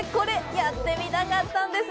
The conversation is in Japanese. やってみたかったんです！